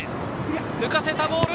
浮かせたボール！